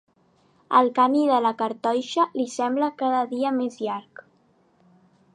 El camí de la Cartoixa li sembla cada dia més llarg.